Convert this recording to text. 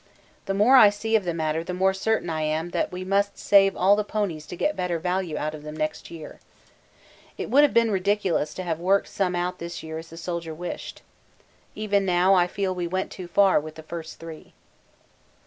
The more I see of the matter the more certain I am that we must save all the ponies to get better value out of them next year. It would have been ridiculous to have worked some out this year as the Soldier wished. Even now I feel we went too far with the first three.